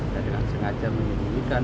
dan dengan sengaja menimbulkan